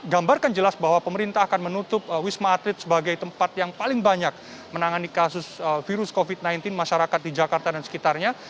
gambarkan jelas bahwa pemerintah akan menutup wisma atlet sebagai tempat yang paling banyak menangani kasus virus covid sembilan belas masyarakat di jakarta dan sekitarnya